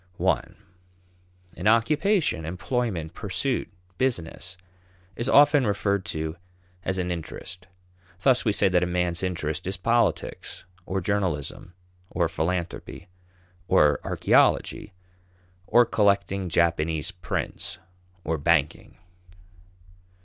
(I) An occupation, employment, pursuit, business is often referred to as an interest. Thus we say that a man's interest is politics, or journalism, or philanthropy, or archaeology, or collecting Japanese prints, or banking.